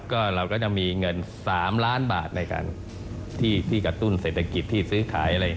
ก็เราก็จะมีเงิน๓ล้านบาทในการที่กระตุ้นเศรษฐกิจที่ซื้อขายอะไร